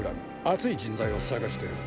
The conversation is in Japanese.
熱い人材を探してる。